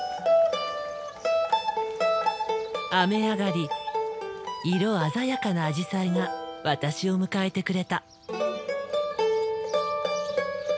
雨上がり色鮮やかなアジサイが私を迎えてくれた。